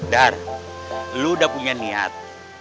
dar lo udah punya niat